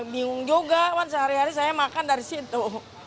bingung juga kan sehari hari saya makan dari situ